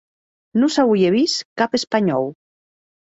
Non s'auie vist cap espanhòu.